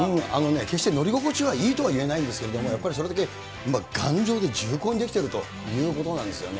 決して乗り心地はいいとは言えないんですけれども、それだけ重厚で頑丈に出来ているんですよね。